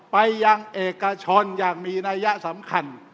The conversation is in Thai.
ไปยังเอกชนอย่างมีนัยสำคัญ